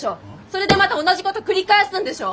それでまた同じこと繰り返すんでしょ！